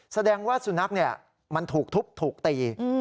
แสดงว่าสุนัขเนี้ยมันถูกทุบถูกตีอื้อ